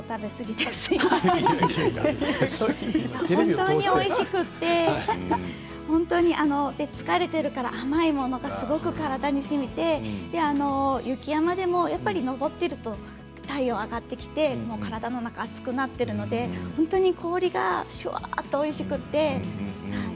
笑い声でも、あまりにもおいしくて疲れているから甘いものがすごく体にしみて雪山でも、登っていると体温が上がってきて体の中が熱くなっているので氷が、しゅわっとおいしくて。